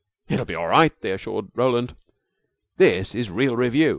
"It'll be all right," they assured Roland; "this is real revue."